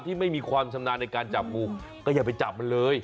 ที่ไม่มีความชำนาญในการจับงูก็อย่าไปจับมันเลย